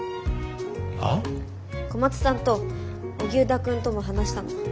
小松さんと荻生田くんとも話したの。